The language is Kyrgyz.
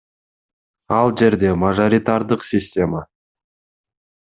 Ал жерде мажоритардык система.